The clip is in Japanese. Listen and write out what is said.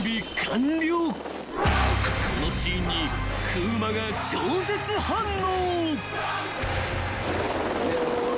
［このシーンに風磨が超絶反応］